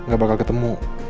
gak bakal ketemu